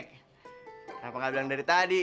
kenapa nggak bilang dari tadi